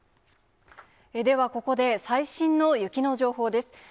では、ここで最新の雪の情報です。